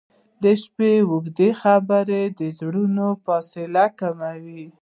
• د شپې اوږدې خبرې د زړونو فاصله کموي.